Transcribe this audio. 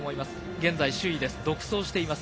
現在首位です。